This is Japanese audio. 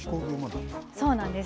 そうなんです。